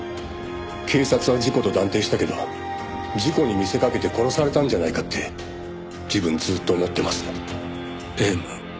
「警察は事故と断定したけど事故に見せかけて殺されたんじゃないかって自分ずっと思ってます」